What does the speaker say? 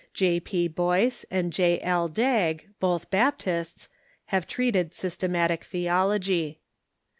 J. P. Boyce and J. L. Dagg, both Baptists, have treated Sys tematic Tbeologv.